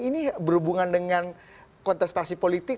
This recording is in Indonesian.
ini berhubungan dengan kontestasi politik